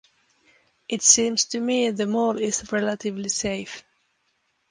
It seems to me the mall is relatively safe.